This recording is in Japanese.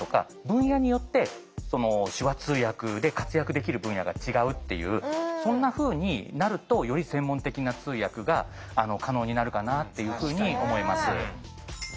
分野によって手話通訳で活躍できる分野が違うっていうそんなふうになるとより専門的な通訳が可能になるかなっていうふうに思います。